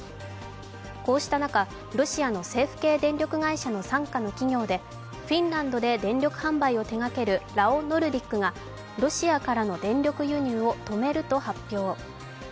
こうした中、ロシアの政府系電力会社の傘下の企業でフィンランドで電力販売を手がけるラオノルディックがロシアからの電力輸入を止めると発表。